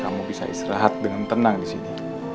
kamu bisa istirahat dengan tenangnya ya